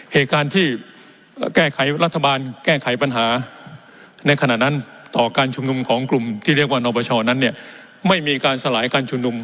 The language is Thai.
เหตุการณ์ที่แก้ไขรัฐบาลแก้ไขปัญหาในขณะนั้นต่อการชุมนุมของกลุ่มที่เรียกว่านอปชนั้นเนี่ยไม่มีการสลายการชุมนุม